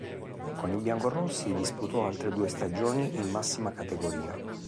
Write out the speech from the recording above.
Con i biancorossi disputò altre due stagioni in massima categoria.